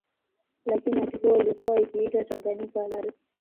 Lakini wakati huo ilikuwa ikiitwa Tanganyika bado